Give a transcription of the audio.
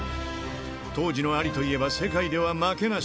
当時のアリといえば、世界では負けなし。